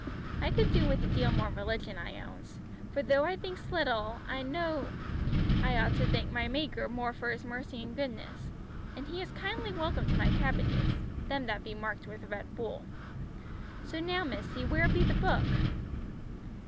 I could do with a deal more religion, I owns, for though I thinks little, I knows I ought to thank my Maker more for His mercy an' goodness. An' He is kindly welcome to my cabbages them that be marked with red wool. So now, missy, where be the book?"